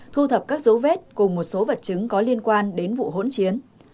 thu thập các dấu vết cùng một số vật chứng có liên quan đến vụ hỗn chiến